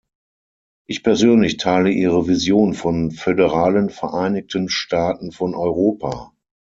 Ich persönlich teile Ihre Vision von föderalen Vereinigten Staaten von Europa.